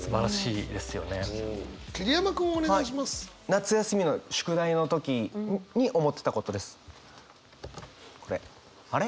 夏休みの宿題の時に思ってたことです。